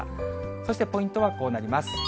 そしてポイントはこうなります。